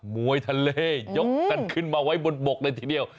มวยทะเลยกกันขึ้นมาไว้บนบกเลยทีเดียว